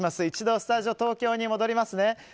一度スタジオ、東京に戻りますね。